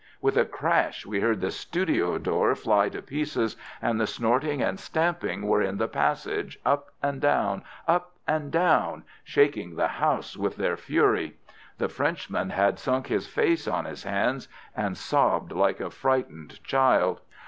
With a crash we heard the studio door fly to pieces, and the snorting and stamping were in the passage, up and down, up and down, shaking the house with their fury. The Frenchman had sunk his face on his hands, and sobbed like a frightened child.